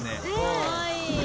かわいい。